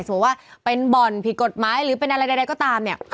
สมมุติว่าเป็นบ่อนผิดกฎหมายหรือเป็นอะไรใดก็ตามเนี่ย